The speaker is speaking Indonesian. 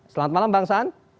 selamat malam bang saan